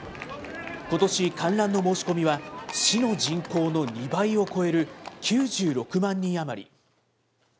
ことし、観覧の申し込みは市の人口の２倍を超える９６万人余り。